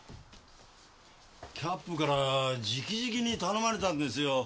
キャップからじきじきに頼まれたんですよ。